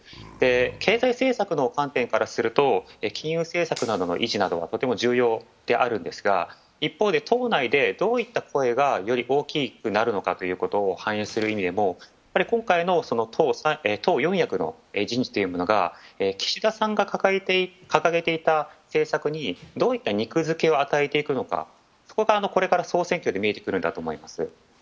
経済政策の観点からすると金融政策などの維持などはとても重要であるんですが、一方で、党内でどういった声がより大きくなるのかということを反映する意味でも、今回の党４役の人事というものが岸田さんが掲げていた政策にどういった肉付けを与えていくのか、そこがこれから総選挙で見えてくるのだと思います。